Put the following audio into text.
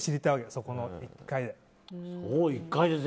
そこの１回で。